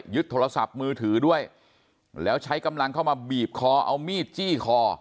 โทรศัพท์มือถือด้วยแล้วใช้กำลังเข้ามาบีบคอเอามีดจี้คอ